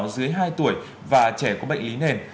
dưới hai tuổi và trẻ có bệnh lý nền